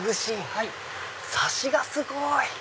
サシがすごい！